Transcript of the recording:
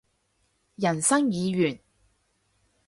人生已完